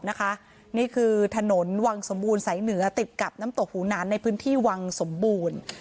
นี่คือถนนวังสมบูรณ์สายเหนือติดกับน้ำตกหูหนานในพื้นที่วังสมบูรณ์